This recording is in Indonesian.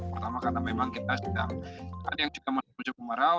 pertama karena memang kita sedang ada yang juga menuju kemarau